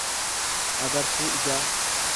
agartuu ijaa.